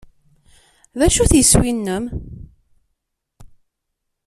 D acu-t yiswi-nnem?